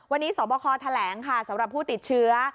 วันนี้สบคแถลงค่ะสำหรับผู้ติดเชื้อ